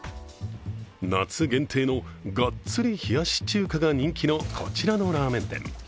夏限定のがっつり冷やし中華が人気のこちらのラーメン店。